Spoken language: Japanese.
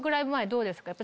どうですか？